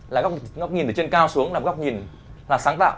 là góc nhìn ở trên cao xuống là một góc nhìn là sáng tạo